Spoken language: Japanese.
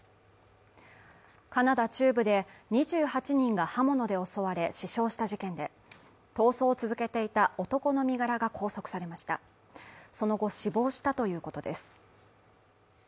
カナダ中部で２８人が刃物で襲われ死傷した事件で逃走を続けていた男の身柄が拘束されましたその後死亡したということです